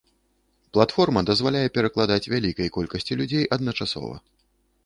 Платформа дазваляе перакладаць вялікай колькасці людзей адначасова.